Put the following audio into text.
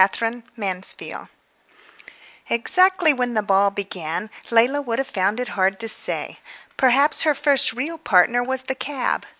Her First Ball Exactly when the ball began Leila would have found it hard to say. Perhaps her first real partner was the cab.